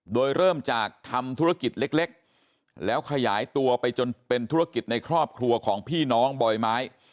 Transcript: โดยเริ่มจากทำธุรกิจเล็กแล้วขยายตัวไปจนเป็นธุรกิจในครอบครัวของพี่น้องบ่อยไม้